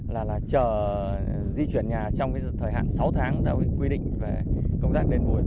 là là chờ di chuyển nhà trong cái thời hạn sáu tháng đã quy định về công tác đền bùi bón bằng